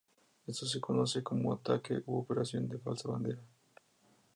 Esto se conoce como ataque u operación de falsa bandera.